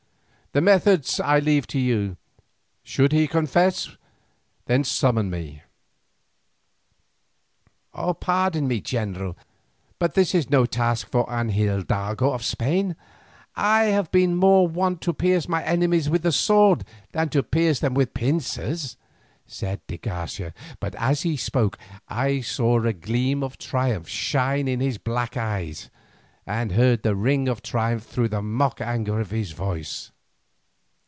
The method I leave to you. Should he confess, summon me." "Pardon me, general, but this is no task for an hidalgo of Spain. I have been more wont to pierce my enemies with the sword than to tear them with pincers," said de Garcia, but as he spoke I saw a gleam of triumph shine in his black eyes, and heard the ring of triumph through the mock anger of his voice.